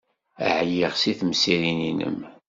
Ɛyiɣ seg temsirin-nnem.